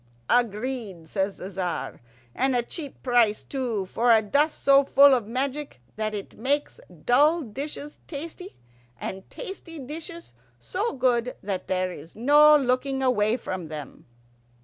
"Agreed," says the Tzar. "And a cheap price, too, for a dust so full of magic that it makes dull dishes tasty, and tasty dishes so good that there is no looking away from them."